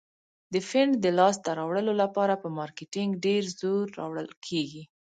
د فنډ د لاس ته راوړلو لپاره په مارکیټینګ ډیر زور راوړل کیږي.